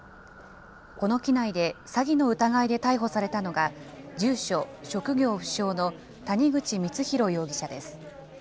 この機内で詐欺の疑いで逮捕されたのが、住所・職業不詳の谷口光弘容疑者です。